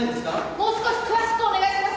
もう少し詳しくお願いします。